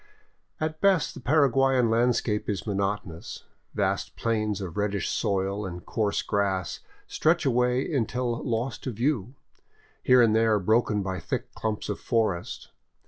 At best the Paraguyan landscape is monotonous, vast plains of reddish soil and coarse grass stretching away until lost to view, here and there broken by thick clumps of forest.